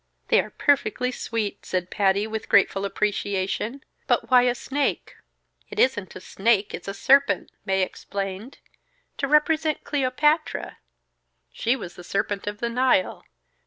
"They are perfectly sweet!" said Patty, with grateful appreciation. "But why a snake?" "It isn't a snake; it's a serpent," Mae explained. "To represent Cleopatra. She was the Serpent of the Nile.